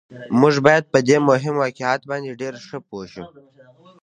موږ باید په دې مهم واقعیت باندې ډېر ښه پوه شو